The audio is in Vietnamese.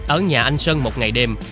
ở nhà anh sơn một ngày đêm